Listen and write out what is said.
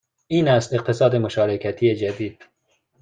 این است اقتصاد مشارکتی جدید